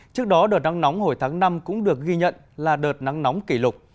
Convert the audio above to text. trước đó đợt nắng nóng hồi tháng năm cũng được ghi nhận là đợt nắng nóng kỷ lục